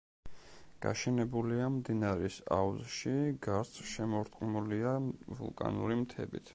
გაშენებულია მდინარის აუზში, გარსშემორტყმულია ვულკანური მთებით.